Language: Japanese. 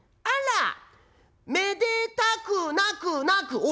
『あらめでたくなくなく』」。